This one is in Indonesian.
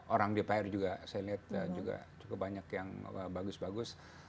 orang dpr juga saya lihat juga cukup banyak yang bagus bagus